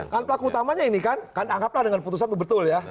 kan pelaku utamanya ini kan anggaplah dengan putusan itu betul ya